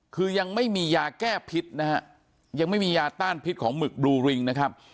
คือยังไม่มียาแก้พิษนะฮะยังไม่มียาต้านพิษของหมึกบลูริงนะครับ